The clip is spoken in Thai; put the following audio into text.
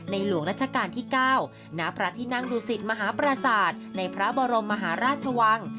หลวงรัชกาลที่๙ณพระที่นั่งดูสิตมหาปราศาสตร์ในพระบรมมหาราชวัง